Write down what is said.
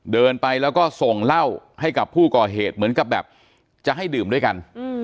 เดินไปแล้วก็ส่งเหล้าให้กับผู้ก่อเหตุเหมือนกับแบบจะให้ดื่มด้วยกัน